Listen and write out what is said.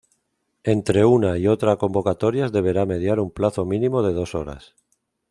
Entre una y otra convocatorias deberá mediar un plazo mínimo de dos horas.